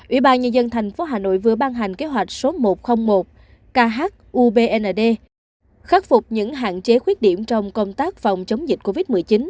ủy ban nhân dân tp hà nội vừa ban hành kế hoạch số một trăm linh một khubnd khắc phục những hạn chế khuyết điểm trong công tác phòng chống dịch covid một mươi chín